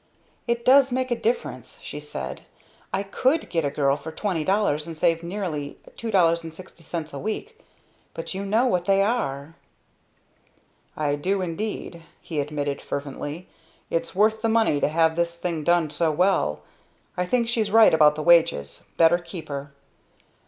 "It does make a difference," she said. "I could get a girl for $20.00 and save nearly $2.60 a week but you know what they are!" "I do indeed," he admitted fervently. "It's worth the money to have this thing done so well. I think she's right about the wages. Better keep her."